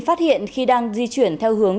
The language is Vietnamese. phát hiện khi đang di chuyển theo hướng